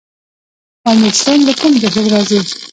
پامیر سیند له کوم جهیل راځي؟